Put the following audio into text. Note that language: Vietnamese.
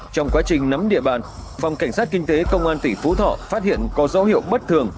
trong quá trình nắm địa bàn phòng cảnh sát kinh tế công an tỉnh phú thọ phát hiện có dấu hiệu bất thường